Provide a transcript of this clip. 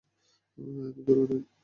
এত দুরে নয়।